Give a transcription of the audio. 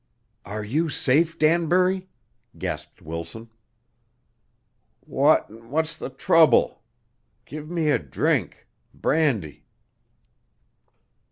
"Are you safe, Danbury?" gasped Wilson. "What what's the trouble? Give me a drink brandy."